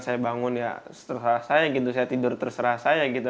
saya bangun ya terserah saya gitu saya tidur terserah saya gitu